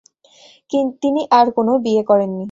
তিনি আর কোনো বিয়ে করেননি।